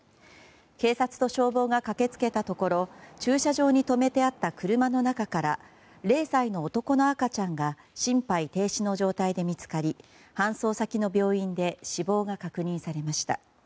警察と消防が駆け付けたところ駐車場に止めてあった車の中から０歳の男の赤ちゃんが心肺停止の状態で見つかり搬送先の病院で死亡が確認されました。